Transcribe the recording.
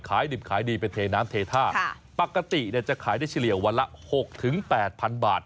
ขายดิบขายดีเป็นเทน้ำเททาปกติจะขายได้เฉลี่ยวันละ๖๘พันบาท